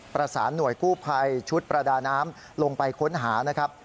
ประสานหน่วยกู้ภัยชุดประดาน้ำลงไปค้นหานะครับ